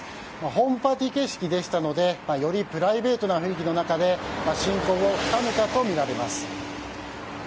ホームパーティー形式でしたのでよりプライベートな雰囲気の中で親交を深めたとみられます。